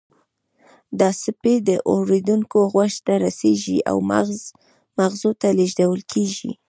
دا څپې د اوریدونکي غوږ ته رسیږي او مغزو ته لیږدول کیږي